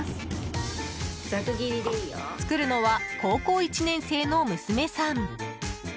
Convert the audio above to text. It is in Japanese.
作るのは高校１年生の娘さん。